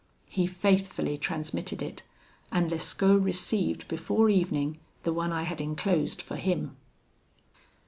He faithfully transmitted it, and Lescaut received before evening the one I had enclosed for him.